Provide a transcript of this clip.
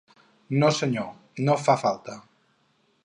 No, senyor, no fa falta.